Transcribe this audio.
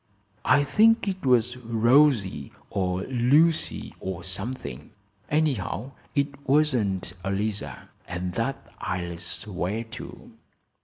"I think it was Rosie or Lucy, or something . Anyhow, it wasn't Eliza, and that I'll swear to.